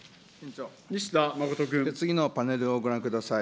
次のパネルをご覧ください。